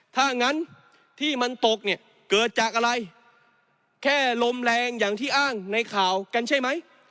ถ้างั้นที่มันตกเนี่ยเกิดจากอะไรแค่ลมแรงอย่างที่อ้างในข่าวกันใช่ไหม